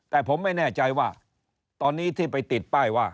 แต่ผมไม่แน่ใจว่าตอนนี้ที่ไปติดป้ายว่า